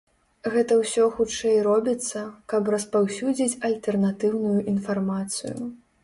Гэта ўсё хутчэй робіцца, каб распаўсюдзіць альтэрнатыўную інфармацыю.